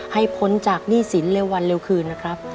พ้นจากหนี้สินเร็ววันเร็วคืนนะครับ